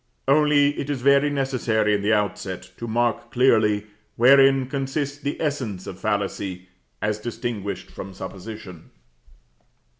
Only it is very necessary in the outset to mark clearly wherein consists the essence of fallacy as distinguished from supposition.